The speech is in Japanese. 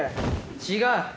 違う。